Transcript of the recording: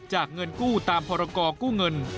จากเงินกู้ตามภรรกอกู้เงิน